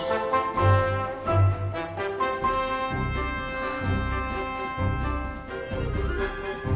はあ。